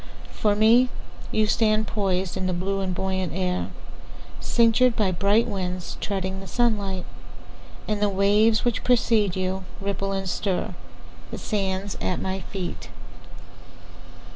For me, You stand poisedIn the blue and buoyant air, Cinctured by bright winds, Treading the sunlight. And the waves which precede youRipple and stirThe sands at my feet.